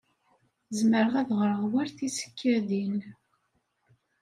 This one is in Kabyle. Zemreɣ ad ɣreɣ war tisekkadin.